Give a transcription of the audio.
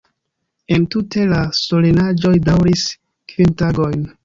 Entute la solenaĵoj daŭris kvin tagojn.